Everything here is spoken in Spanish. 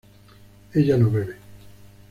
ella no bebe